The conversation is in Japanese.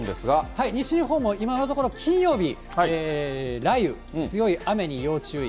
西日本も今のところ、金曜日、雷雨、強い雨に要注意。